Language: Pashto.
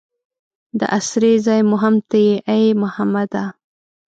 د اسرې ځای مو هم ته یې ای محمده.